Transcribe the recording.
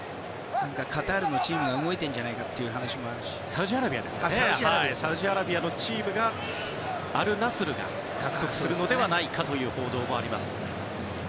カタールのチームが動いているっていうサウジアラビアのアルナスルが獲得するのではないかという報道もあります。